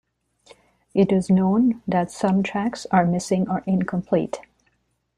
It is known that some tracks are missing or incomplete.